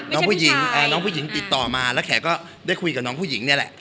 น้องผู้หญิงติดต่อแล้วแขก็ได้มีคุยกับน้องผู้หญิงเนี่ยละ